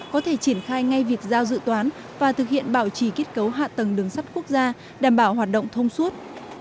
có thể triển khai ngay việc giao dự toán và thực hiện bảo trì kết cấu hạ tầng đường sắt quốc gia đảm bảo hoạt động thông suốt